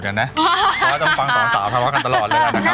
เพราะว่าต้องพังสองสาวภาวะกันตลอด